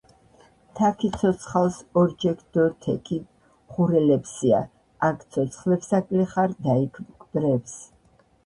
თაქი ცოცხალს ორკჷქ დო თექი ღურელეფსია.აქ ცოცხლებს აკლიხარ და იქ მკვდრებს.